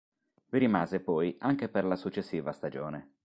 Vi rimase poi anche per la successiva stagione.